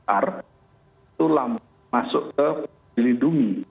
itu masuk ke bilidungi